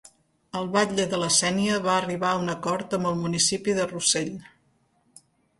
El batlle de la Sénia va arribar a un acord amb el municipi de Rossell.